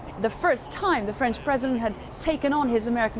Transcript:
pertama kali presiden perancis mengambil tanggapan presiden amerika